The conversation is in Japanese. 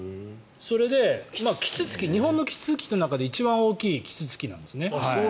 それで日本のキツツキの中で一番大きいキツツキなんですね。